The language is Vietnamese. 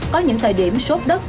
có những thời điểm sốt đất